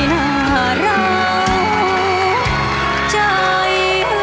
โปรดติดตามตอนต่อไป